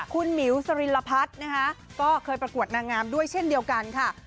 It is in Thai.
คุณหมิวสรินลพัฒน์นะคะก็เคยประกวดนางงามด้วยเช่นเดียวกันค่ะ